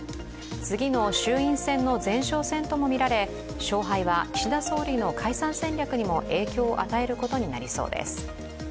次の衆院選の前哨戦ともみられ勝敗は岸田総理の解散戦略にも影響を与えることになりそうです。